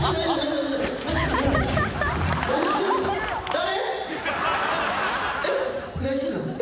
誰？